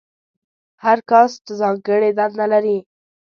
هر کاسټ ځانګړې دنده لرله.